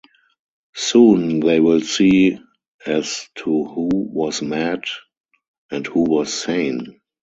Soon they will see as to who was mad and who was sane.